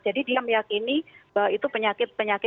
jadi dia meyakini bahwa itu penyakit penyakit